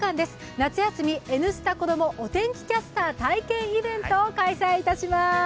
夏休み「Ｎスタ子どもお天気キャスター体験イベント」を行います。